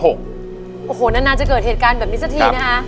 โอ้โหนานจะเกิดเหตุการณ์แบบนี้สักทีนะคะ